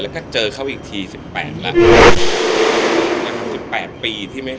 แล้วก็เจอเขาอีกที๑๘ปีแล้ว